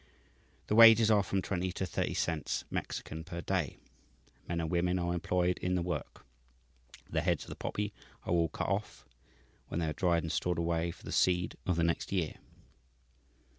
The wages are from twenty to thirty cents (Mexican) per day. Men and women are employed in the work. The heads of the poppy are all cut off, when they are dried and stored away for the seed of the next year.